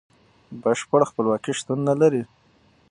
بشپړه خپلواکي شتون نلري.